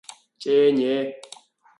正野